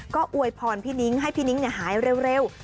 ก็อวยพรพี่นิ้งให้พี่นิ้งหายเร็ว